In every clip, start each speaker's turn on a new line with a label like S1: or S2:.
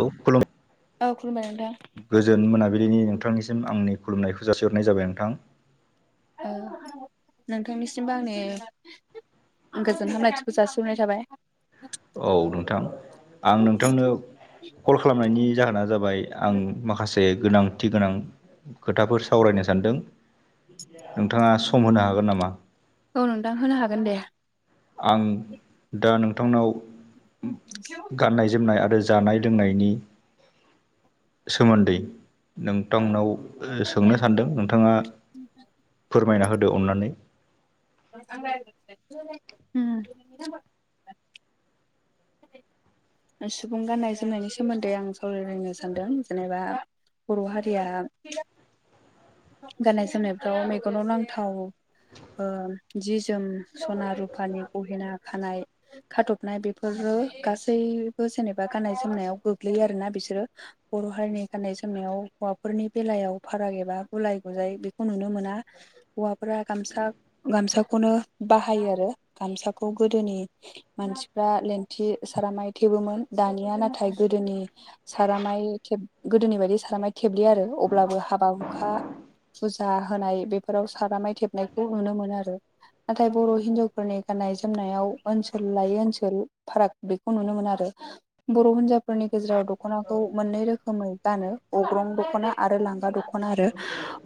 S1: औ खुलुम-
S2: औ खुलुमबाय नोंथां
S1: गोजोन मोनाबिलिनि नोंथांनिसिम आंनि खुलुमनायखौ जासिहरनाय जाबाय नोंथां
S2: औ नोंथांनिसिमबो आंनि गोजोन हामलायथिखौ जासिहरनाय थाबाय
S1: औ नोंथां आं नोंथांनो कल खालामनायनि जाहोना जाबाय आं माखासे गोनांथि गोनां खोथाफोर सावरायनो सानदों नोंथाङा सम होनो हागोन नामा
S2: औ नोंथां होनो हागोन दे
S1: आं दा नोंथांनाव गाननाय जोमनाय आरो जानाय लोंनायनि सोमोन्दै नोंथांनाव सोंनो सानदों नोंथाङा फोरमायना होदो अननानै
S2: उम
S1: [inaudible]
S2: सुबुं गान्नाय जोमनायनि सोमोन्दै आं सावरायलायनो सानदों जेनेबा बर' हारिया गाननाय जोमनायफ्राव मेगनाव नांथाव जि जोम सना रुपानि गहेना खानाय खाथबनाय बेफोरो गासैबो जेनेबा गाननाय जोमनायाव गोग्लैयो आरोना बिसोरो बर' हारिनि गाननाय जोमनायाव हौवाफोरनि बेलायाव फाराग एबा गुलाय गुजाय बेखौ नुनो मोना हौवाफोरा गामसा गामसाखौनो बाहायो आरो गामसाखौ गोदोनि मानसिफ्रा लेंथि सारामाय थेबोमोन दानिया नाथाय गोदोनि सारामाय थेब गोदोनि बायदि सारामाय थेबलिया आरो अब्लाबो हाबा हुखा फुजा होनाय बेफोराव सारामाय थेबनायखौ नुनो मोनो आरो नाथाय बर' हिन्जावफोरनि गाननाय जोमनायाव ओनसोल लायै ओनसोल फाराग बेखौ नुनो मोनो आरो बर' हिन्जावफोरनि गेजेराव दख'नाखौ मोननै रोखोमै गानो अग्रं दख'ना आरो लांगा दख'ना आरो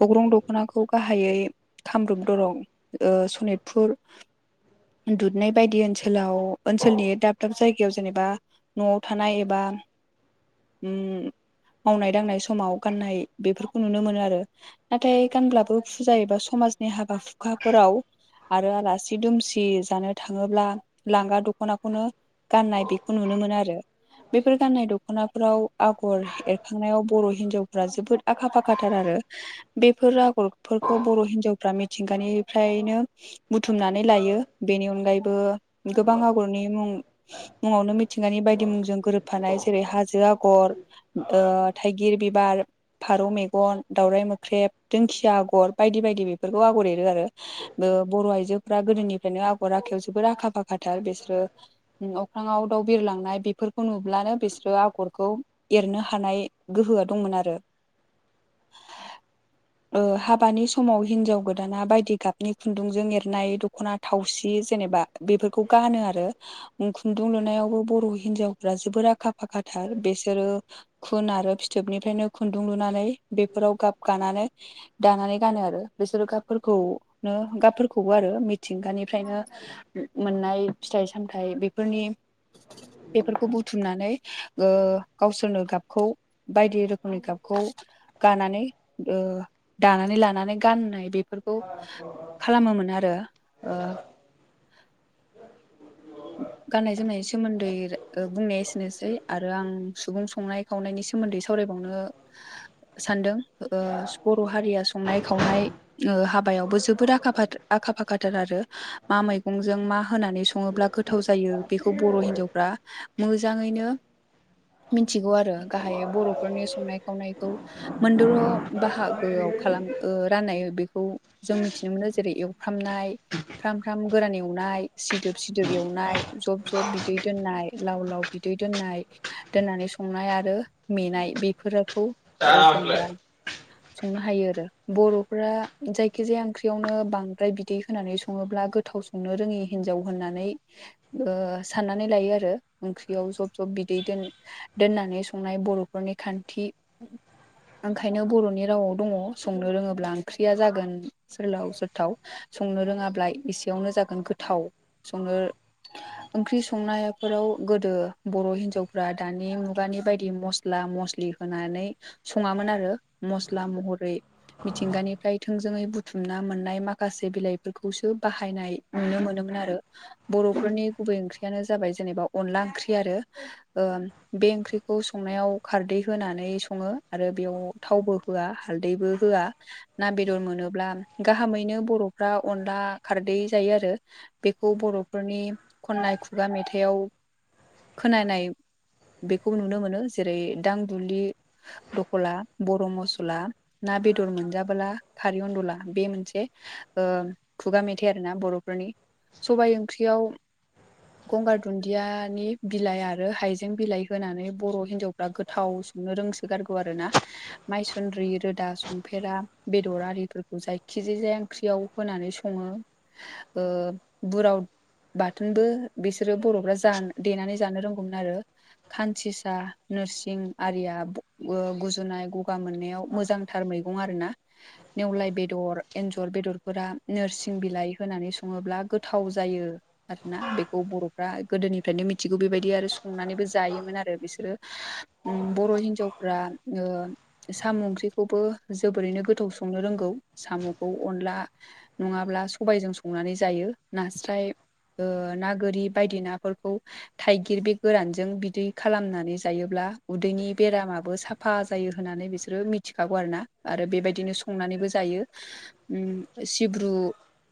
S2: अग्रं दख'नाखौ गाहायै कामरुप दरं सनितपुर दुुधनै बायदि ओनसोलाव ओनसोलनि दाब दाब जायगायाव जेनेबा न'आव थानाय एबा मावनाय दांनाय समाव गाननाय बेफोरखौ नुनो मोनो आरो नाथाय गानब्लाबो फुजा एबा समाजनि हाबा हुखाफोराव आरो आलासि दुमसि जानो थाङोब्ला लांगा दख'नाखौनो गाननाय बेखौ नुनो मोनो आरो बेफोर गाननाय दख'नाफ्राव आगर एरखांनायाव बर' हिनजावफ्रा जोबोद आखा फाखाथार आरो बेफोर आगरफोरखौ बर' हिनजावफ्रा मिथिंगानिफ्रायनो बुथुमनानै लायो बेनि अनगायैबो गोबां आगरनि मुं मुङावनो मिथिंगानि बायदि मुंजों गोरोबफानाय जेरै हाजो आगर थाइगिर बिबार फारौ मेगन दावउराइ मोख्रेब दिंखिया आग'र बायदि बायदि बेफोरखौ आगर एरो आरो बर' आइजोफोरा गोदोनिफ्रायनो आगर आखायाव जोबोद आखा फाखाथार बिसोरो अख्राङाव दाउ बिरलांनाय बेफोरखौ नुब्लानो बिसोरो आगरखौ एरनो हानाय गोहोआ दंमोन आरो
S1: [inaudible]
S2: ओ हाबानि समाव हिन्जाव गोदाना बायदि गाबनि खुन्दुंजों एरनाय दख'ना थावसि जेनेबा बेफोरखौ गानो आरो खुन्दुं लुनायावबो बर' हिनजावफ्रा जोबोर आखा फाखाथार बेसोरो खुन आरो फिथोबनिफ्रायनो खुन्दुं लुनानै बेफोराव गाब गानानै दानानै गानो आरो बिसोरो गाबफोरखौनो गाबफोरखौबो आरो मिथिंगानिफ्रायनो मोननाय फिथाइ सामथाय बेफोरनि ओ बेफोरखौ बुथुमनानै गावसोरनो गाबखौ बायदि रोखोमनि गाबखौ गानानै ओ दानानै लानानै गाननाय बेफोर खौ खालामोमोन आरो ओ गाननाय जोमनायनि सोमोन्दै बुंनाया एसेनोसै आरो आं सुबुं संनाय खावनायनि सोमोन्दै सावरायबावनो सानदों ओ बर' हारिया संनाय खावनाय ओ हाबायावबो जोबोद आखा आखा फाखाथार आरो मा मैगंजों मा होनानै सङोब्ला गोथाव जायो बेखौ बर' हिनजावफ्रा मोजाङैनो मिथिगौ आरो गाहाय बर'फोरनि संनाय खावनायखौ मोनद' बाहागोआव खालाम ओ राननाय बेखौ जों मिथिनो मोनो जेरै एवफ्रामनाय फ्राम फ्राम गोरान एवनाय सिदोब सि दोब एवनाय जब जब बिदै दोननाय लाव लाव बिदै दोननाय दोननानै संनाय आरो मेंनाय बेफोरखौ जेनेबा संनो हायो आरो बर'फ्रा जायखिजाया ओंख्रियावनो बांद्राय बिदै होनानै सङोब्ला गो थाव संनो रोङि हिन्जाव होननानै ओ साननानै लायो आरो ओंख्रियाव जब जब बिदै दोन दोननाय संनाय बर'फोरनि खान्थि ओंखायनो बर'नि रावाव दङ संनो रोङोब्ला ओंख्रिया जागोन सोरलाव सोरथाव संनो रोङाब्ला एसेयावनो जागोन गोथाव सङो ओंख्रि संनायफोराव गोदो बर' हिनजावफ्रा दानि मुगानि बायदि मस्ला मस्लि होनानै सङामोन आरो मस्ला महरै मिथिंगानिफ्राय थोंजोङै बुथुमना मोननाय माखासे बिलाइफोरखौसो बाहायनाय नुनो मोनोमोन आरो बर'फोरनि गुबै ओंख्रियानो जाबाय जेनेबा अनला ओंख्रि आरो ओ बे ओंख्रिखौ संनायाव खारदै होनानै सङो आरो बेयाव थावबो होआ हालदैबो होआ ना बेदर मोनोब्ला गाहामैनो बर'फ्रा अनला खारदै जायो आरो बे खौ बर'फोरनि खननाय खुगा मेथाइआव खोनानाय बेखौ नुनो मोनो जेरै दां दुबुलि दपला बर' मस्ला ना बेदर मोनजाबोला खारै अनदुला बे मोनसे ओ खुगा मेथाइ आरो ना बर'फोरनि सबाइ ओंख्रियाव गंगार दुन्दियानि बिलाइ आरो हाइजें बिलाइ होनानै बर' हिनजाव फ्रा गोथाव संनो रोंसोगारगौ आरो ना माइसुन्द्रि रोदा संफेरा बेदर आरिफोरखौ जायखिजाया जाया ओंख्रियाव होनानै सङो ओ बुराव बाथोनबो बिसोरो बर'फ्रा जा देनानै जानो रोंगौमोन आरो खानथिसा नोरसिं आरिया गुजुनाय गगा मोननायाव मोजां थार मैगं आरोना नेवलाय बेदर एन्जर बेदरफोरा नोरसिं बिलाइ होनानै सङोब्ला गो गोथाव जायो आरोना बेखौ बर'फ्रा गोदोनिफ्रायनो मिथिगौ बेबायदि आरो संनानैबो जायोमोन आरो बिसोरो उम बर' हिन्जावफ्रा ओ साम' ओंख्रिखौबो जोबोरैनो गोथाव संनो रोंगौ साम'खौ अनला नङाब्ला सबायजों संनानै जायो नास्राय ना गोरि बायदि नाफोरखौ थाइगिर बे गोरानजों बिदै खालामनानै जायोब्ला उदैनि बेरामाबो साफ- साफा जायो होननानै बिसोरो मिथिखागौ आरोना आरो बेबायदिनो संनानैबो जायो उ सिब्रु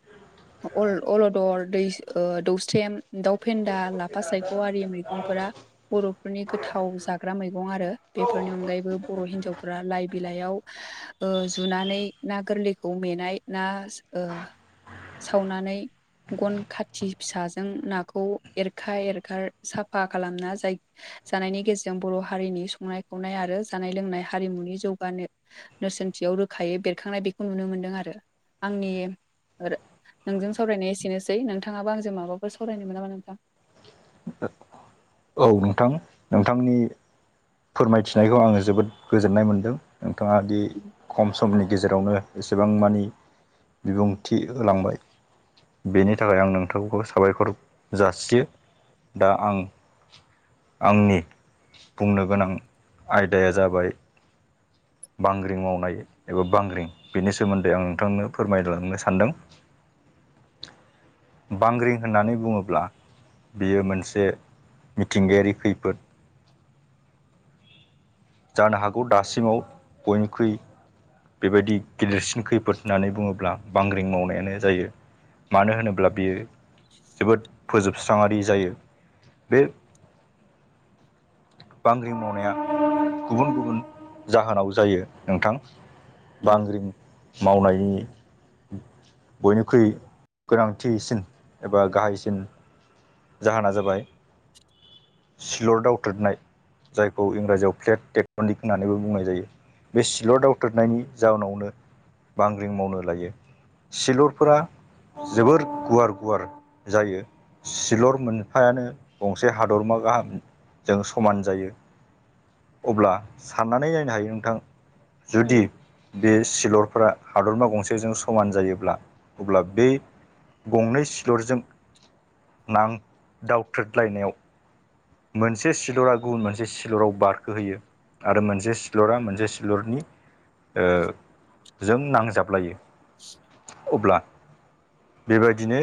S1: [inaudible]
S2: अल'दर दै दौस्रेम दाउ फेन्दा लाफा सायख' आरि मैगंफोरा बर'फोरनि गोथाव जाग्रा मैगं आरो बेफोरनि अनगायैबो बर' हिनजावफ्रा लाइ बिलाइयाव जुनानै ना गोरलैखौ मेनाय ना सावनानै गन खाथि फिसाजों नाखौ एरखा एरखा साफा खालामना जाय जानायनि गेजेरजों बर' हारिनि संनाय खावनाय आरो जानाय लोंनाय हारिमुनि जौगानो नोरसोनथियाव रोखायै बेरखांनाय बेखौ नुनो मोन्दों आरो आंनि नोंथांजों सावरायनाया एसेनोसै नोंथाङाबो आंजों माबाफोर सावरायनायनो मोन नामा नोंथां
S1: औ नोंथां नोंथांनि फोरमायथिनायखौ आङो जोबोद गोजोननाय मोनदों नोंथाङा दि
S2: उम
S1: खम समनि गेजेरावनो एसेबां मानि बिबुंथि होलांबाय बेनि थाखाय आं नोंथांखौ साबायखर जासियो दा आं आंनि बुंनो गोनां आयदाया जाबाय बांग्रिं मावनाय एबा बांग्रिं बेनि सोमोन्दै आं नोंथांनो फोरमायलांनो सानदों बांग्रिं होननानै बुङोब्ला बियो मोनसे मिथिंगायारि खैफोद जानो हागौ दासिमाव बयनिख्रुइ बेबायदि गिदिरसिन खैफोद होननानै बुङोब्ला बांग्रिं मावनायानो जायो मानो होनोब्ला बियो जोबोद फोजोबस्राङारि जायो बे बांग्रि मावनाया गुबुन गुबुन जाहोनाव जायो नोंथां बांग्रिं मावनायनि बयनिख्रुइ गोनांथिसिन एबा गाहायसिन जाहोना जाबाय सिलर दावथ्रोदनाय जायखौ इंराजियाव फ्लेट टेक्टनिक होननानैबो बुंनाय जायो बे सिलर दावथ्रोदनायनि जाउनावनो बांग्रिं मावनो लायो सिलरफोरा जोबोर गुवार गुवार जायो सिलर मोनफायानो गंसे हाद- दरमा गाहामजों समान जायो अब्ला साननानै नायनो हायो नोंथां जुदि
S2: उम
S1: बे सिलरफोरा हादरमा गंसेजों समान जायोब्ला अब्ला बै गंनै सिलरजों नां दावथ्रोदलायनायाव मोनसे सिलरा गुबुन मोनसे सिलराव बारखोहोयो आरो मोनसे सिलरा मोनसे सिलरनि ओ जों नांजाबलायो अब्ला बेबायदिनो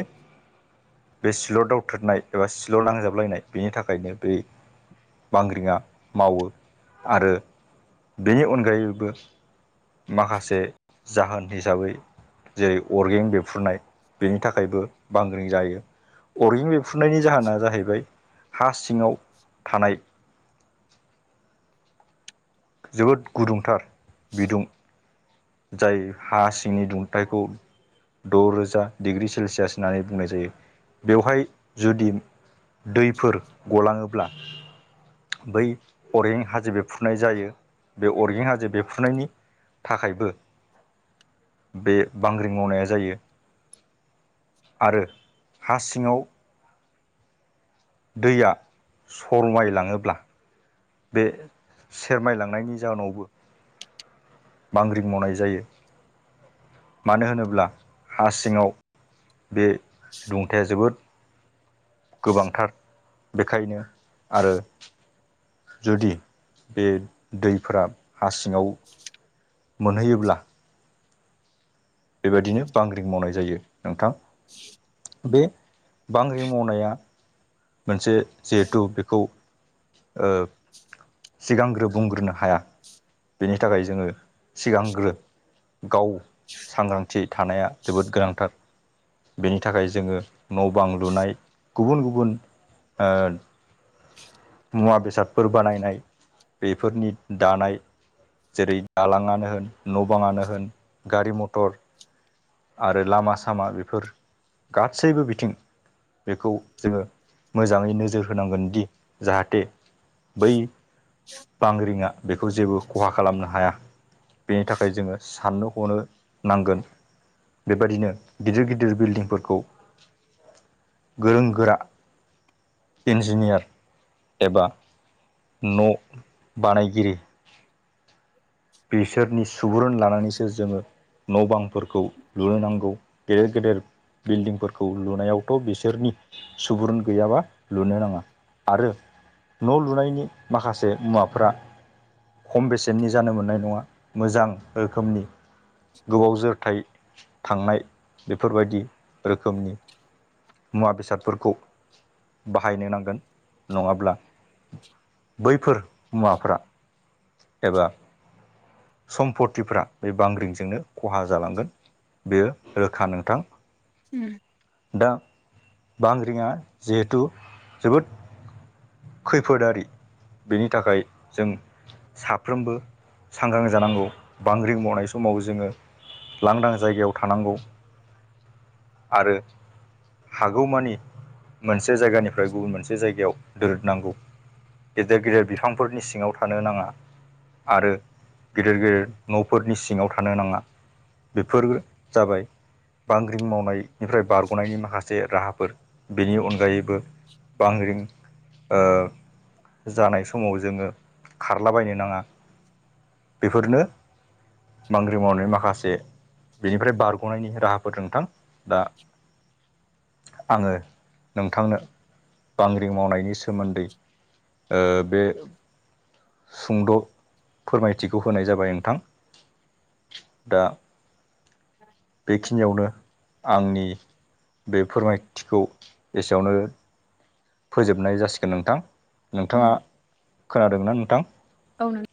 S1: बे सिल' दावथ्रोदनाय एबा सिलर नांजाबलायनाय बेनि थाखायनो बे बांग्रिङा मावो आरो बेनि अनगायैबो माखासे जाहोन हिसाबै जेरै अर्गें बेरफ्रुनाय बेनि थाखायबो बांग्रिं जायो अरगें बेरफ्रुननायनि जाहोना जाहैबाय हा सिङाव थानाय जोबोद गुदुंथार बिदुं जाय हा सिंनि दुंथायखौ द' रोजा डिग्रि सेलसियास होननानै बुंनाय जायो बेवहाय जुदि दैफोर गलाङोब्ला बै अरें हाजो बेफ्रुनाय जायो बे अरगें हाजो बेफ्रुनायनि थाखायबो बे बांग्रिं मावनाया जायो। आरो हा सिङाव दैया सरमायलाङोब्ला बे सेरमाय लांनायनि जाहोनावबो बांग्रिं मावनाय जायो मानो होनोब्ला हा सिङाव बे दुंथाया जोबोद गोबांथार बेखायनो आरो जुदि बे दैफोरा हा सिङाव मोनहैयोब्ला बेबायदिनो बांग्रिं मावनाय जायो नोंथां बे बांग्रिं मावनाया मोनसे जिहेथु बेखौ ओ सिगांग्रो बुंग्रोनो हाया बेनि थाखाय जोङो सिगांग्रो गाव सांग्रांथि थानाया जोबोद गोनांथार। बेनि थाखाय जोङो न' बां लुनाय गुबुन गुबुन ओ
S2: [inaudible]
S1: मुवा बेसादफोर बानायनाय बेफोरनि दानाय जेरै दालाङानो होन न' बाङानो होन गारि मटर आरो लामा सामा बेफोर गासैबो बिथिं बेखौ जोङो मोजाङै नोजोर होनांगोनदि जाहाथे बै बांग्रिङा बेखौ जेबो खहा खालामनो हाया बेनि थाखाय जोङो साननो हनो नांगोन। बेबादिनो गिदिर गिदिर बिल्डिंफोरखौ गोरों गोरा इन्जिनियार एबा न' बानायगिरि बिसोरनि सुबुरुन लानानैसो जोङो न' बांफोरखौ लुनो नांगौ गेदेर गेदेर बिल्डिंफोरखौ लुनायावथ' बिसोरनि सुबुरुन गैयाब्ला लुनो नाङा। आरो न' लुनायनि माखासे मुवा फोरा खम बेसेननि जानो मोननाय नङा मोजां रोखोमनि गोबाव जोरथाय थांनाय बेफोरबायदि रोखोमनि मुवा बेसादफोरखौ बाहायनो नांगोन नङाब्ला बैफोर मुवाफ्रा एबा सम्पतिफ्रा बे बांग्रिंजोंनो खहा जालांगोन बेयो रोखा नोंथां।
S2: उम
S1: दा बांग्रिङि जिहेथु जोबोद खैफोदारि बेनि थाखाय जों साफ्रोमबो सांग्रां जानांगौ बांग्रि मावनाय समाव जोङो। लांदां जायगायाव थानांगौ आरो हागौमानि मोनसे जायगानिफ्राय गुबुन मोनसे जायगायाव दोरदनांगौ। गेदेर गेदेर बिफांफोरनि सिङाव थानो नाङा आरो गेदेर गेदेर न'फोरनि सिङाव थानो नाङा बेफोर जाबाय बांग्रिं मावनाय निफ्राय बारग'नायनि माखासे राहाफोर बेनि अनगायैबो बांग्रिं ओ जानाय समाव जोङो खारलाबायनो नाङा। बेफोरनो बांग्रि मावनाय माखासे बिनिफ्राय बारग'नायनि राहाफोर नोंथां। दा आङो नोंथांनो बांग्रि मावनायनि सोमोन्दै ओ बे सुंद' फोरमायथिखौ होनाय जाबाय नोंथां दा बेखिनियावनो आंनि बे फोरमायथिखौ एसेयावनो फोजोबनाय जासिगोन नोंथां नोंथाङा
S2: उम
S1: खोनादों ना नोंथां?
S2: औ नों